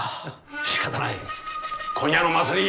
しかたない今夜の祭り